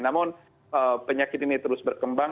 namun penyakit ini terus berkembang